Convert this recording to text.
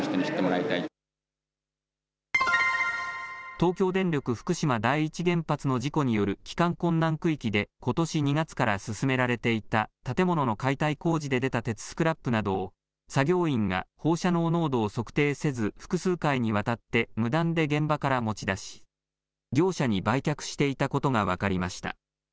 東京電力福島第一原発の事故による帰還困難区域でことし２月から進められていた建物の解体工事で出た鉄スクラップなどを作業員が放射能濃度を測定せず、複数回にわたって無断で現場から持ち出し業者に売却していたことが分かりました。